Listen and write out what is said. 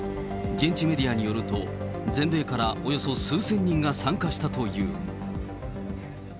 現地メディアによると、全米からおよそ数千人が参加したという。